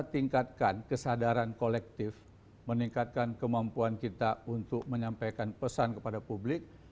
meningkatkan kesadaran kolektif meningkatkan kemampuan kita untuk menyampaikan pesan kepada publik